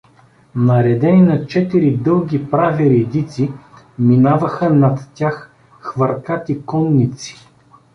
Наредени на четири дълги прави редици, минаваха над тях хвъркати конници.